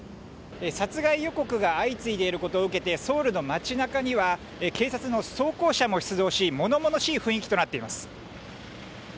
殺害予告が相次いでいることを受けてソウルの街中には警察の装甲車も出動し物々しい雰囲気となっています。